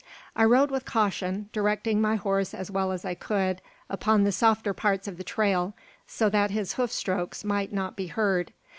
I rode with caution, directing my horse as well as I could upon the softer parts of the trail, so that his hoof strokes might not be heard.